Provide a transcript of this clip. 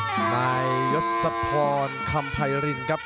นายยศพรคำไพรินครับ